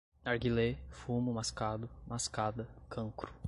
narguilé, fumo mascado, mascada, cancro